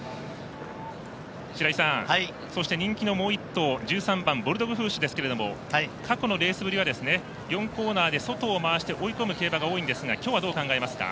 白井さん、人気のもう１頭１３番ボルドグフーシュですけど過去のレースぶりは４コーナーで外を回して追い込むというのが多いんですが今日は、どう考えますか？